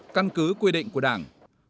căn cứ quy định của đảng